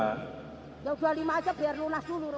yang dua puluh lima aja biar lunas dulu